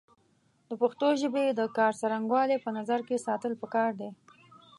د پښتو ژبې د کار څرنګوالی په نظر کې ساتل پکار دی